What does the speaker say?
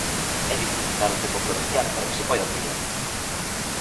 É dicir, dar un tempo prudencial para que se poidan poñer.